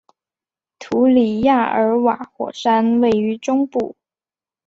图里亚尔瓦火山位于中部。